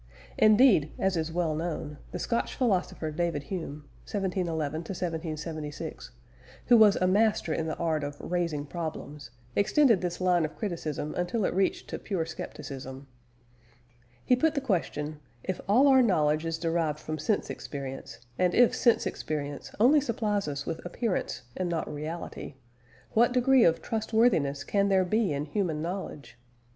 Indeed, as is well known, the Scotch philosopher David Hume (1711 1776), who was a master in the art of raising problems, extended this line of criticism until it reached to pure scepticism. He put the question, If all our knowledge is derived from sense experience, and if sense experience only supplies us with appearance and not reality, what degree of trustworthiness can there be in human knowledge?